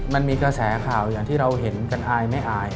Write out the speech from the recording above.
มันมีกระแสข่าวอย่างที่เราเห็นกันอายไม่อาย